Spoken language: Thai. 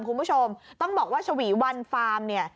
คุณผู้ชมต้องบอกว่าฉวีวันฟาร์มเนี่ย